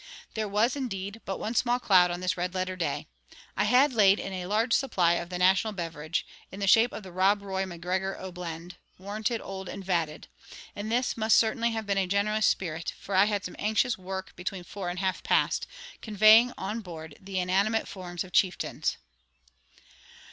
There was, indeed, but one small cloud on this red letter day. I had laid in a large supply of the national beverage, in the shape of The "Rob Roy MacGregor O" Blend, Warranted Old and Vatted; and this must certainly have been a generous spirit, for I had some anxious work between four and half past, conveying on board the inanimate forms of chieftains.